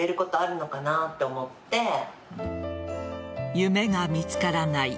夢が見つからない。